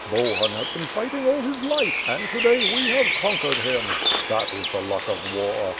Bohun has been fighting all his life, and to day we have conquered him. That is the luck of war.